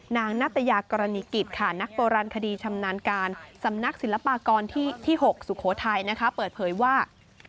ณัตยากรณีกิจค่ะนักโบราณคดีชำนาญการสำนักศิลปากรที่๖สุโขทัยเปิดเผยว่า